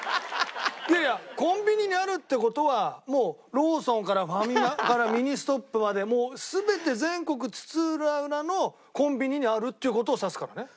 いやいやコンビニにあるって事はもうローソンからファミマからミニストップまでもう全て全国津々浦々のコンビニにあるっていう事を指すからね。